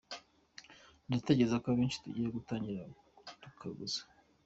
Ndatekereza ko abenshi tugiye gutangira tukaguza”.